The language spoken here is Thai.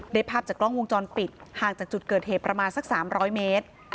ภาพจากกล้องวงจรปิดห่างจากจุดเกิดเหตุประมาณสัก๓๐๐เมตร